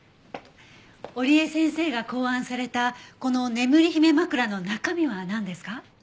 織江先生が考案されたこの眠り姫枕の中身はなんですか？